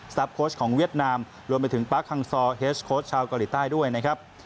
โค้ชของเวียดนามรวมไปถึงปาร์คฮังซอร์เฮสโค้ชชาวเกาหลีใต้ด้วยนะครับ